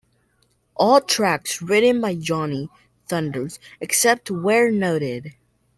All tracks written by Johnny Thunders, except where noted.